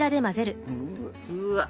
うわっ！